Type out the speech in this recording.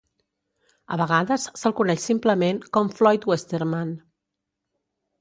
A vegades se'l coneix simplement com Floyd Westerman.